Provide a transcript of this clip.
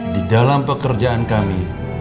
di dalam pekerjaan kami